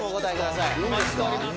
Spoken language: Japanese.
お待ちしております。